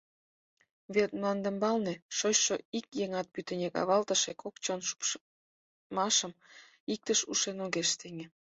Вет мландымбалне шочшо ик еҥат пӱтынек авалтыше кок чон шупшмашым иктыш ушен огеш сеҥе.